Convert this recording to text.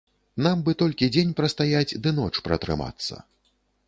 Нам бы толькі дзень прастаяць ды ноч пратрымацца.